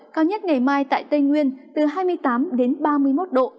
cao nhất ngày mai tại tây nguyên từ hai mươi tám đến ba mươi một độ